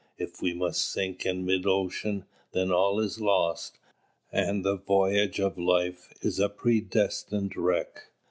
If we must sink in mid ocean, then all is lost, and the voyage of life is a predestined wreck.